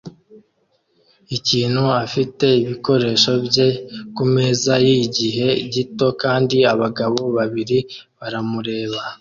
ikintu afite ibikoresho bye kumeza yigihe gito kandi abagabo babiri baramureba